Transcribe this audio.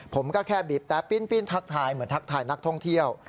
ผมก็แค่บีบแต่ปิ้นทักทายเหมือนทักทายนักท่องเที่ยว